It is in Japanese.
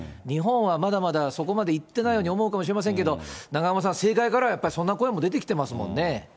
日本はまだまだそこまでいってないように思うかもしれませんけど、永濱さん、政界からはそんな声も出てきてますもんね。